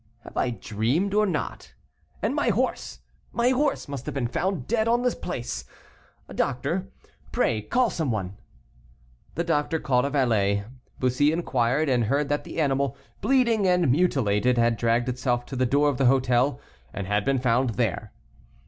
Have I dreamed or not? And my horse! My horse must have been found dead on the place. Doctor, pray call some one." The doctor called a valet. Bussy inquired, and heard that the animal, bleeding and mutilated, had dragged itself to the door of the hotel, and had been found there.